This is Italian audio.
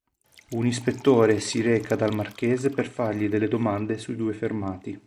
Un ispettore si reca dal marchese per fargli delle domande sui due fermati.